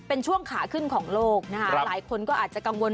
เป็นช่วงขาขึ้นของโลกนะคะหลายคนก็อาจจะกังวล